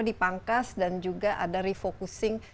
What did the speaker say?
dipangkas dan juga ada refocusing